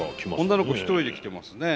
女の子一人で来てますね。